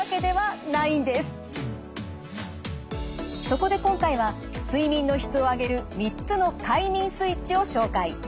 そこで今回は睡眠の質を上げる３つの快眠スイッチを紹介。